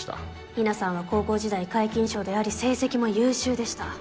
日奈さんは高校時代皆勤賞であり成績も優秀でした。